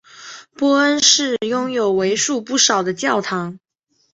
波恩市拥有为数不少的教堂。